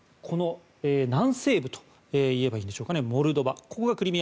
南西部といえばいいでしょうかモルドバです。